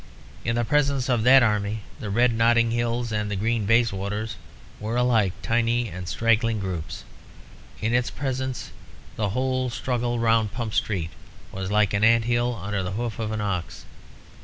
In the presence of that army the red Notting Hills and the green Bayswaters were alike tiny and straggling groups. In its presence the whole struggle round Pump Street was like an ant hill under the hoof of an ox.